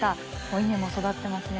稲も育ってますね。